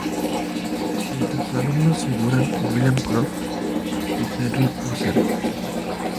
Entre sus alumnos figuran William Croft y Henry Purcell.